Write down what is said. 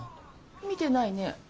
見てないね。